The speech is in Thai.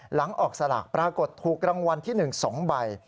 หลังออกสลากปรากฏถูกรางวัลที่๑๒ใบ